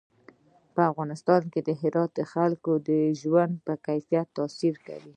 په افغانستان کې هرات د خلکو د ژوند په کیفیت تاثیر کوي.